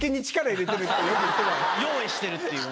用意してるっていう。